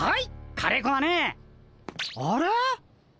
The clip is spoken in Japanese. カレーこはねあれ？